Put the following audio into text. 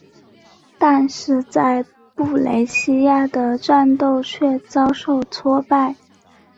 但是在布雷西亚的战斗却遭受挫败。